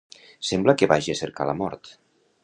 Semblar que vagi a cercar la mort.